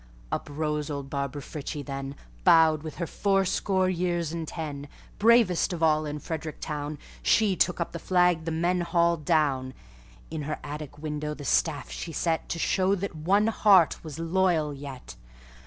Up rose old Barbara Frietchie then, Bowed with her fourscore years and ten; Bravest of all in Frederick town, She took up the flag the men hauled down; In her attic window the staff she set, To show that one heart was loyal yet.